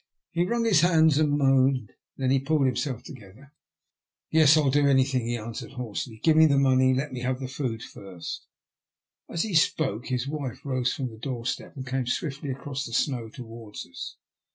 He wrung his hands and moaned. Then he pulled himself together. "Yes, I'll do anything," he answered hoarsely. " Give me the money ; let me have food first." As he spoke his wife rose from the doorstep, and came swiftly across the snow towards us.